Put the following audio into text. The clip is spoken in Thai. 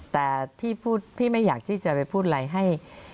แต่พี่ไม่อยากที่จะไปพูดอะไรให้